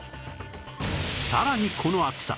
さらにこの暑さ